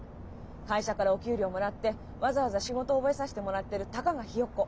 会社からお給料もらってわざわざ仕事を覚えさせてもらってるたかがヒヨコ。